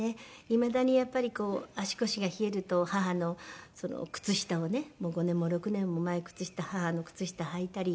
いまだにやっぱりこう足腰が冷えると母の靴下をねもう５年も６年も前の靴下母の靴下はいたり。